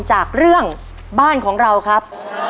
จากเรื่องบ้านของเราครับ